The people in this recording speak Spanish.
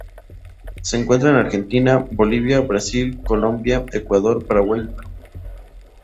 Se encuentra en Argentina, Bolivia, Brasil, Colombia, Ecuador, Paraguay, y Perú.